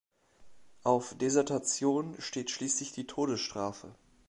Auf Desertation steht schließlich die Todesstrafe.